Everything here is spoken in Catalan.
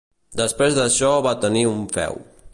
Després d'això van tenir un feu.